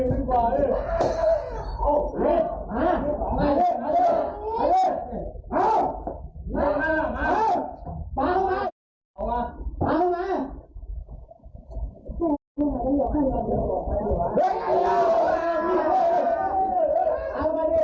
สองข้าวไม่หายมีคนหายก้าดครับ